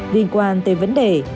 điện quan tới vấn đề